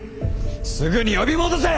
すぐに呼び戻せ！